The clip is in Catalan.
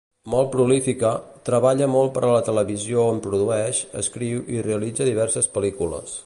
Molt prolífica, treballa molt per a la televisió on produeix, escriu i realitza diverses pel·lícules.